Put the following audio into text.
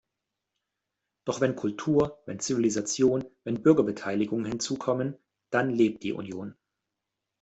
Doch wenn Kultur, wenn Zivilisation, wenn Bürgerbeteiligung hinzukommen, dann lebt die Union.